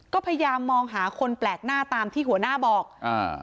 ก็พยายามมองหาคนแปลกหน้าตามที่หัวหน้าบอกอ่า